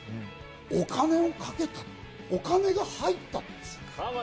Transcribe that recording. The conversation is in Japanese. お金をかけた、お金が入ったんです。